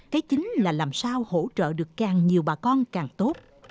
cái chính là làm sao hỗ trợ được càng nhiều bà con càng tốt